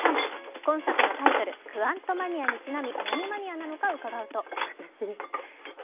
今作のタイトル「クアントマニア」にちなみ何マニアなのか伺うと。